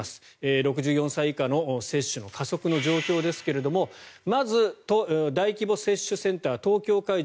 ６４歳以下の接種の加速の状況ですがまず大規模接種センター東京会場